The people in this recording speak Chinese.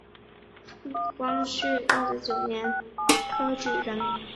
牟琳是清朝光绪二十九年癸卯恩科举人。